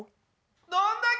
「どんだけ」。